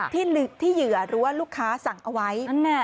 ที่เหยื่อหรือว่าลูกค้าสั่งเอาไว้